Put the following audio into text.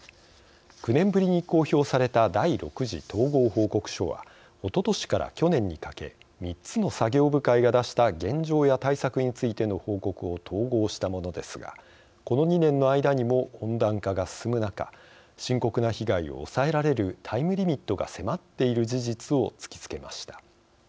９年ぶりに公表された第６次統合報告書はおととしから去年にかけ３つの作業部会が出した現状や対策についての報告を統合したものですがこの２年の間にも温暖化が進む中深刻な被害を抑えられるタイムリミットが迫っている事実を突きつけました。